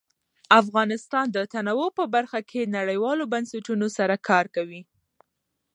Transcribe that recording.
افغانستان د تنوع په برخه کې نړیوالو بنسټونو سره کار کوي.